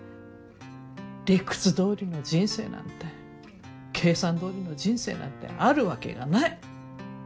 理屈どおりの人生なんて計算どおりの人生なんてあるわけがない。